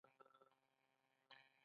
ملګری د ژوند زېری وي